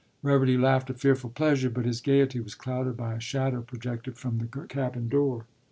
” Reverdy laughed a fearful pleasure, but his gaiety was clouded by a shadow projected from the cabin door.